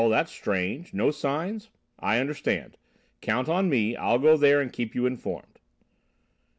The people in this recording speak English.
That's strange. No signs? I understand. Count on me. I'll go there and keep you informed."